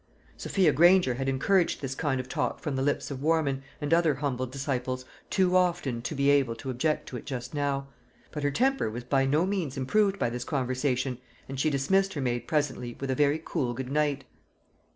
Sophia Granger had encouraged this kind of talk from the lips of Warman, and other humble disciples, too often too be able to object to it just now; but her temper was by no means improved by this conversation, and she dismissed her maid presently with a very cool good night.